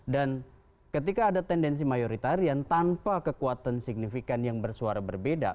dan ketika ada tendensi mayoritarian tanpa kekuatan signifikan yang bersuara berbeda